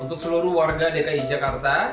untuk seluruh warga dki jakarta